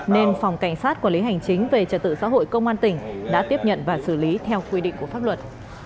nên phòng cảnh sát quản lý hành chính về trật tự xã hội công an tỉnh đã tiếp nhận và xử lý theo quy định của pháp luật